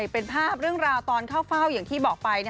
เป็นภาพเรื่องราวตอนเข้าเฝ้าอย่างที่บอกไป